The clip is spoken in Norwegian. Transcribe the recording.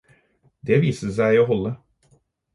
Det viste seg å holde.